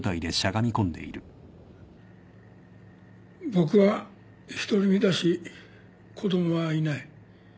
僕は独り身だし子供はいない。